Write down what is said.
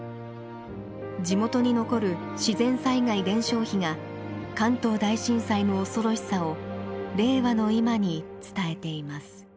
地元に残る自然災害伝承碑が関東大震災の恐ろしさを令和の今に伝えています。